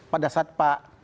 pada saat pak